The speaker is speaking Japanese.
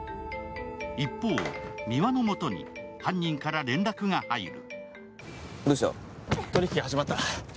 一方、三輪のもとに犯人から連絡が入る。